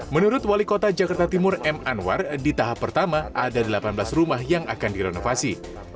menurut wali kota jakarta timur m anwar di tahap pertama ada delapan belas rumah yang akan direnovasi